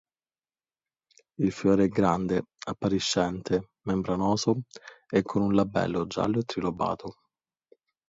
Il fiore è grande, appariscente, membranoso e con un labello giallo e trilobato.